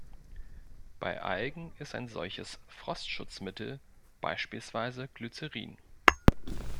Bei Algen ist ein solches „Frostschutzmittel“ beispielsweise Glycerin.